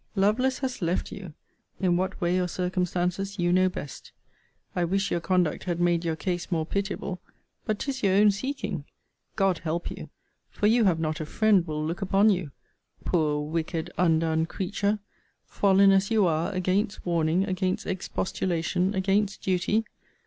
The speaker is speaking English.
Lovelace has left you! In what way or circumstances you know best. I wish your conduct had made your case more pitiable. But 'tis your own seeking! God help you! For you have not a friend will look upon you! Poor, wicked, undone creature! Fallen, as you are, against warning, against expostulation, against duty!